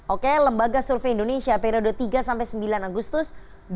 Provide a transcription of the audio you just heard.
oke lembaga survei indonesia periode tiga sampai sembilan agustus dua ribu dua puluh